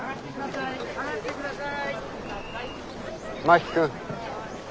真木君。